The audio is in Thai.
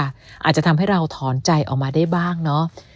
อาจจะทำให้เราถอนใจออกมาได้บ้างเนาะ